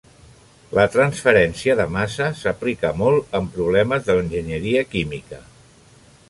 La transferència de massa s'aplica molt en problemes de l'enginyeria química.